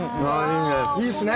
いいっすね。